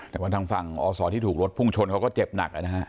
แต่ว่าทางฝั่งอศที่ถูกรถพุ่งชนเขาก็เจ็บหนักนะฮะ